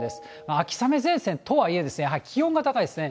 秋雨前線とはいえ、やはり気温が高いですね。